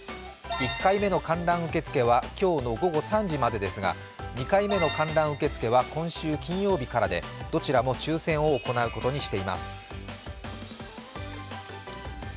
１回目の観覧受け付けは今日の午後３時までですが２回目の観覧受け付けは今週金曜日からでどちらも抽選を行うことにしています。